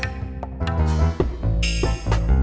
gak usah bayar